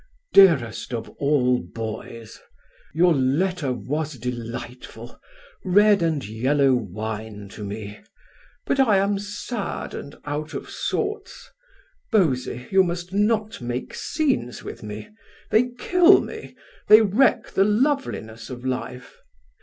DEAREST OF ALL BOYS, Your letter was delightful, red and yellow wine to me; but I am sad and out of sorts. Bosie, you must not make scenes with me. They kill me, they wreck the loveliness of life.